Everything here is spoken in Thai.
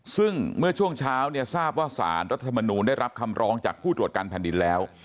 ซึ่งเมื่อช่วงเช้าเนี่ยทราบว่าสารรัฐธรรมนูลได้รับคำร้องจากผู้ตรวจการแผ่นดินแล้ว